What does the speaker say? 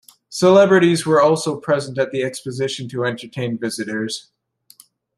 Celebrities were also present at the exposition to entertain visitors.